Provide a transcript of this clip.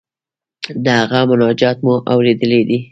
د هغه مناجات مو اوریدلی دی.